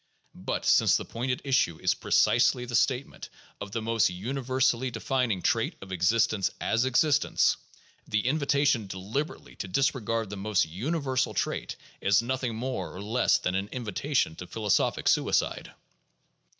But since the point at issue is precisely the statement of the most universally de fining trait of existence as existence, the invitation deliberately to dis regard the most universal trait is nothing more or less than an invi tation to philosophic suicide."